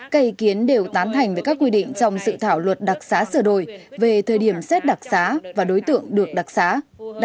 cây kiến đều tán thành với các quy định trong dự thảo luật đặc xá sửa đổi về thời điểm xét đặc xá và đối tượng được đặc xá